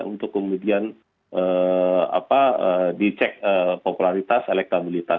untuk kemudian dicek popularitas elektabilitas